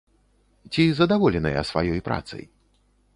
Ці задаволеныя сваёй працай?